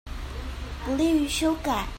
不利於修改